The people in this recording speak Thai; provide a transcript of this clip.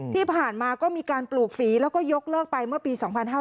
ที่ผ่านมาก็มีการปลูกฝีแล้วก็ยกเลิกไปเมื่อปี๒๕๕๙